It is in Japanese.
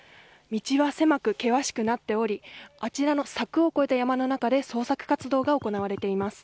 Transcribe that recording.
道は狭く険しくなっておりあちらの柵を越えた山の中で捜索活動が行われています。